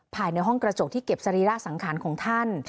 ภายในห้องกระจกที่เก็บสรีระสังขารของท่าน